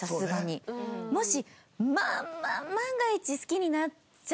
もし。